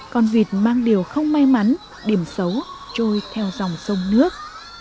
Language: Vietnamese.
con vịt mang điều không may mắn điểm xấu trôi theo dòng sông nước